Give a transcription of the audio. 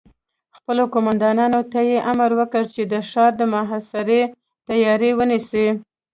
خپلو قوماندانانو ته يې امر وکړ چې د ښار د محاصرې تياری ونيسي.